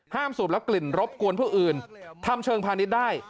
สูบและกลิ่นรบกวนผู้อื่นทำเชิงพาณิชย์ได้